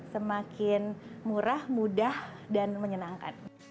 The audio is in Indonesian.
semakin murah mudah dan menyenangkan